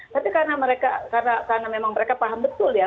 tapi karena mereka karena memang mereka paham betul ya